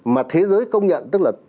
mà thế giới công nhận tức là